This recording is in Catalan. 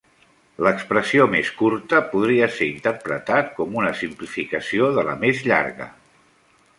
L'expressió més curta podria ser interpretat com una simplificació de la més llarga.